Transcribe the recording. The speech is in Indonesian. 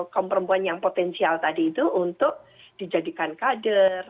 kaum perempuan yang potensial tadi itu untuk dijadikan kader